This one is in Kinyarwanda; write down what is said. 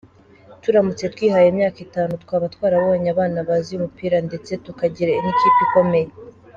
Turamutse twihaye imyaka itanu, twaba twarabonye abana bazi umupira ndetse tukagira n’ikipe ikomeye.